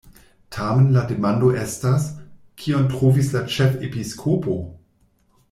Tamen la demando estas: kion trovis la ĉefepiskopo?”